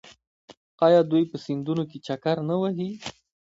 آیا دوی په سیندونو کې چکر نه وهي؟